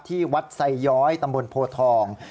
ที่วัดไซย้อยตำบลโพทอง